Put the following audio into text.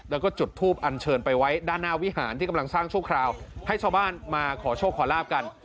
แล้วก็จุดทูปอันเชิญไปไว้ด้านหน้าวิหารที่กำลังสร้างชั่วคราวให้ชาวบ้านมาขอโชคขอลาบกัน